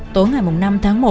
tối ngày năm tháng một